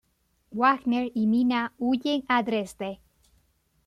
Wagner y Minna huyen a Dresde.